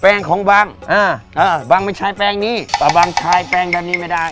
แป้งของบังบังไม่ใช้แป้งนี้อบังใช้แป้งแบบนี้ไม่ได้